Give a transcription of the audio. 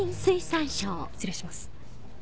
失礼します。